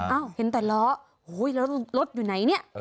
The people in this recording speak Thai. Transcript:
เอ้าเห็นแต่ล้อโอ้ยแล้วรถอยู่ไหนเนี่ย